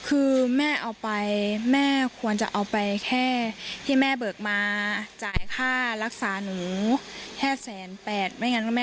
อุตส่ายอยากลงไปเรียนด้วยเพราะว่า